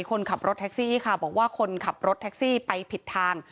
คนขับรถแท็กซี่ค่ะบอกว่าคนขับรถแท็กซี่ไปผิดทาง